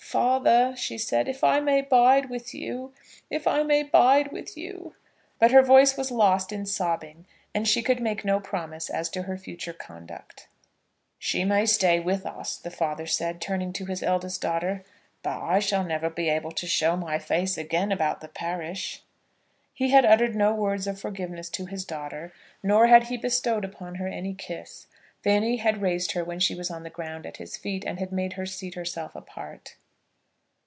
"Father," she said, "if I may bide with you, if I may bide with you ." But her voice was lost in sobbing, and she could make no promise as to her future conduct. [Illustration: "If I may bide with you, if I may bide with you."] "She may stay with us," the father said, turning to his eldest daughter; "but I shall never be able to show my face again about the parish." He had uttered no words of forgiveness to his daughter, nor had he bestowed upon her any kiss. Fanny had raised her when she was on the ground at his feet, and had made her seat herself apart.